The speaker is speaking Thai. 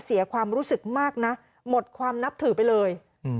เสียความรู้สึกมากนะหมดความนับถือไปเลย